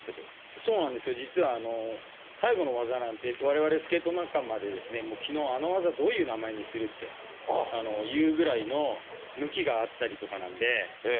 そうなんですよ、最後の技なんて、われわれスケート界ではきのう、あの技、どういう名前にするっていうくらいの向きがあったりとかなんで。